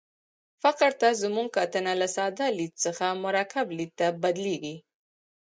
فقر ته زموږ کتنه له ساده لید څخه مرکب لید ته بدلېږي.